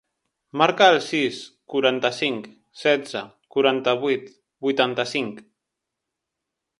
Marca el sis, quaranta-cinc, setze, quaranta-vuit, vuitanta-cinc.